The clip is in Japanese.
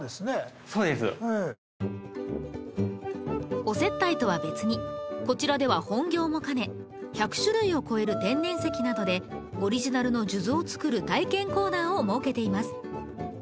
そうですお接待とは別にこちらでは本業も兼ね１００種類を超える天然石などでオリジナルの数珠を作る体験コーナーを設けています